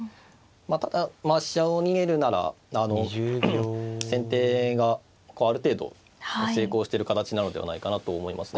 ただ飛車を逃げるなら先手がある程度成功してる形なのではないかなと思いますね。